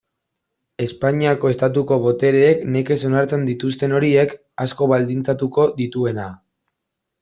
Espainiako Estatuko botereek nekez onartzen dituzten horiek, asko baldintzatuko dituena.